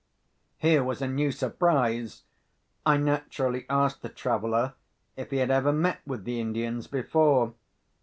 Here was a new surprise! I naturally asked the traveller if he had ever met with the Indians before.